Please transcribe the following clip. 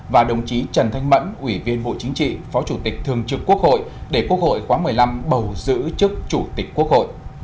và đồng chí trần thanh mẫn ủy viên bộ chính trị phó chủ tịch thường trực quốc hội để quốc hội khóa một mươi năm bầu giữ chức chủ tịch quốc hội